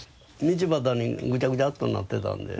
道端にぐちゃぐちゃっとなってたんで。